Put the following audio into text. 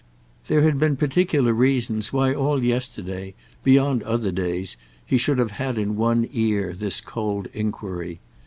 There had been particular reasons why all yesterday, beyond other days, he should have had in one ear this cold enquiry.